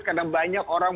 karena banyak orang